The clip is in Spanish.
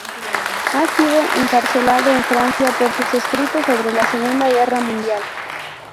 Ha sido encarcelado en Francia por sus escritos sobre la Segunda Guerra Mundial.